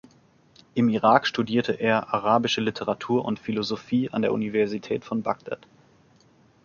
Im Irak studierte er arabische Literatur und Philosophie an der Universität von Bagdad.